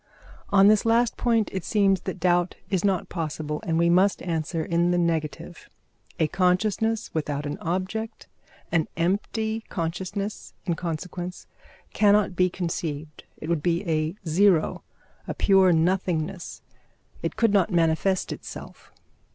On this last point it seems that doubt is not possible, and we must answer in the negative. A consciousness without an object, an empty consciousness, in consequence, cannot be conceived; it would be a zero a pure nothingness; it could not manifest itself.